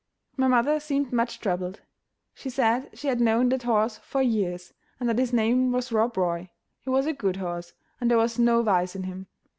My mother seemed much troubled; she said she had known that horse for years, and that his name was Rob Roy; he was a good horse, and there was no vice in him.